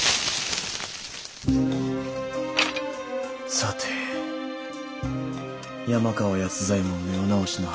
さて山川安左衛門の世直しの始まりだ。